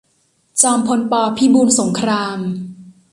จอมพล ป. พิบูลสงคราม